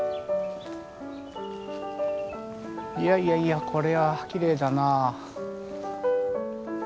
いやいやいやこれはきれいだな。